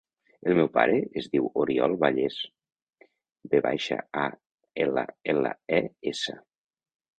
El meu pare es diu Oriol Valles: ve baixa, a, ela, ela, e, essa.